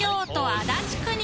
足立区か。